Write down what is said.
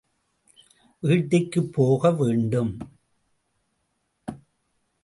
வீட்டிற்குப் போக வேண்டும்.